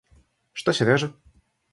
Что Сережа?